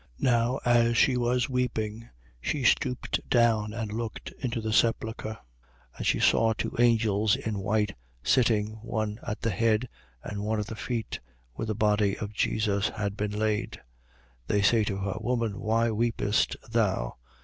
Now as she was weeping, she stooped down and looked into the sepulchre, 20:12. And she saw two angels in white, sitting, one at the head, and one at the feet, where the body of Jesus had been laid. 20:13. They say to her: Woman, why weepest thou?